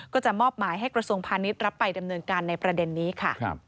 ก็จะมอบหมายให้กระทรวงพาณิชย์รับไปดำเนินการในประเด็นนี้ค่ะ